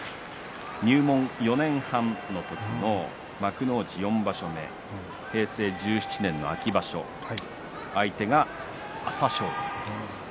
入門４年半の時に幕内４場所目平成１７年秋場所、相手が朝青龍。